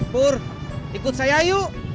pur ikut saya yuk